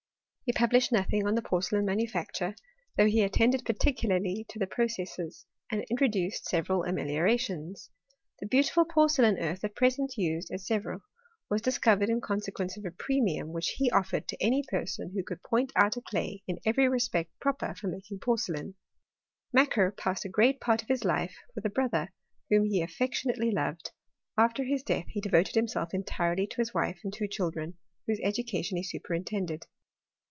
He published nothing on the porcelain manufacture, though he attended particularly to the processes, and introduced several ameliorations. The beautiful por» celain earth at present used at Sevre, was discovered in consequence of a premium which he offered to any person who could point out a clay in every respect proper for making porcelain. Macquer passed a great part of his life with a bro ther, whom he affectionately loved : after his death he devoted himself entirely to his wife and two chil dren, whose education he superintended.